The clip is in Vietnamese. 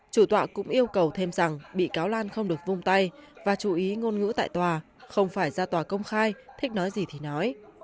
chủ tọa cũng yêu cầu thêm rằng bị cáo lan không được vung tay và chú ý ngôn ngữ tại tòa không phải ra tòa công khai thích nói gì thì nói